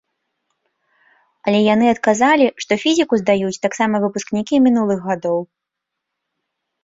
Але яны адказалі, што фізіку здаюць таксама выпускнікі мінулых гадоў.